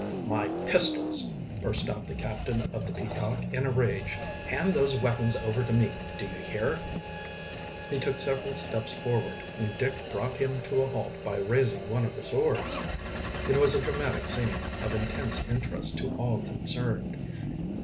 "My pistols!" burst out the captain of the Peacock, in a rage. "Hand those weapons over to me, do you hear?" He took several steps forward, when Dick brought him to a halt by raising one of the swords. It was a dramatic scene, of intense interest to all concerned.